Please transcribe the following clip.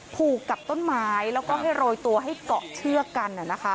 ผูกกับต้นไม้แล้วก็ให้โรยตัวให้เกาะเชือกกัน